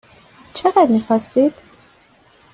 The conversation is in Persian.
چقدر میخواستید؟